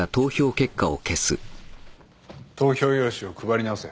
投票用紙を配り直せ。